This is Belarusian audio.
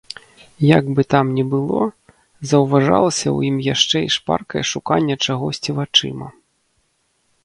Як бы там ні было, заўважалася ў ім яшчэ і шпаркае шуканне чагосьці вачыма.